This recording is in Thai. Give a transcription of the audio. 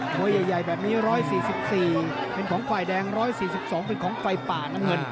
มวยใหญ่แบบนี้๑๔๔เป็นของฝ่ายแดง๑๔๒เป็นของไฟป่าน้ำเงิน